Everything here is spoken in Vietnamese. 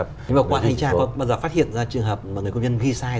có bao giờ phát hiện ra trường hợp mà người công nhân ghi sai